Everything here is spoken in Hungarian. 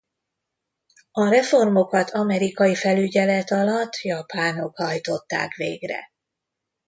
A reformokat amerikai felügyelet alatt japánok hajtották végre.